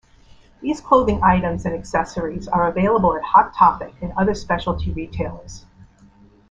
These clothing items and accessories are available at Hot Topic and other speciality retailers.